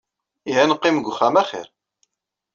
Ihi ad neqqim deg uxxam axir.